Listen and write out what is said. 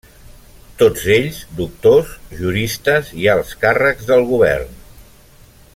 Tots ells, doctors, juristes i alts càrrecs del govern.